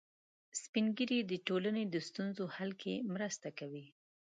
سپین ږیری د ټولنې د ستونزو حل کې مرسته کوي